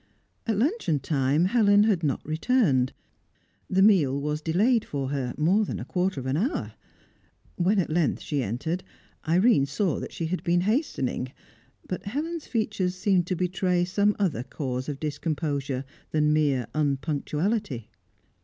At luncheon time Helen had not returned. The meal was delayed for her, more than a quarter of an hour. When at length she entered, Irene saw she had been hastening; but Helen's features seemed to betray some other cause of discomposure than mere unpunctuality.